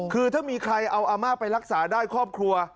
คือถ้ามีใครเอาอาม่าไปรักษาได้ครอบครัว